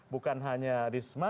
bukan hanya risma